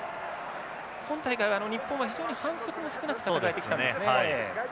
今大会日本は非常に反則が少なく戦えてきたんですね。